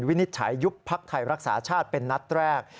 วินิจฉัยยุบพักไทยรักษาชาติเป็นนัดแรก